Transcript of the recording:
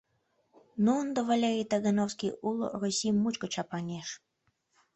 Ну, ынде Валерий Тагановский уло Россий мучко чапаҥеш!